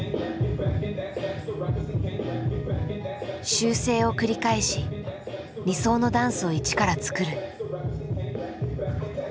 修正を繰り返し理想のダンスを一から作る。